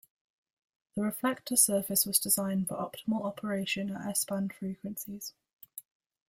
The reflector surface was designed for optimal operation at S-Band frequencies.